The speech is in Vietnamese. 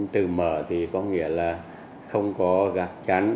từ mở thì có nghĩa là không có gạc chắn